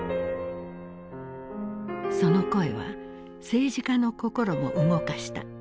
その声は政治家の心も動かした。